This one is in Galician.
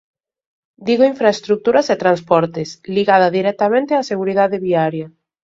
Digo infraestruturas e transportes, ligada directamente á seguridade viaria.